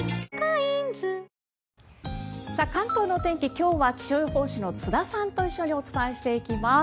今日は気象予報士の津田さんと一緒にお伝えしていきます。